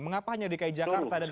mengapa hanya dki jakarta dan